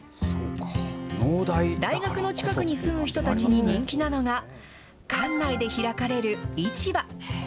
大学の近くに住む人たちに人気なのが、館内で開かれる市場。